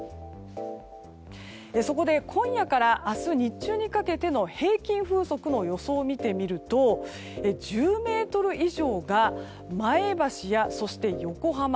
そこで今夜から明日、日中にかけての平均風速の予想を見てみると１０メートル以上が前橋や横浜。